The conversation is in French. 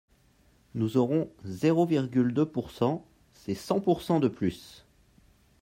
Nous aurons zéro virgule deux pourcent, c’est cent pourcent de plus